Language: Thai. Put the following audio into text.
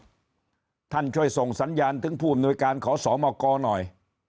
อีกเรื่องเลยครับท่านช่วยส่งสัญญาณถึงผู้อำนวยการขอสอบมากกอหน่อย